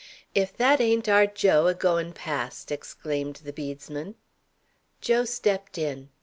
"If that ain't our Joe a going past!" exclaimed the bedesman. Joe stepped in.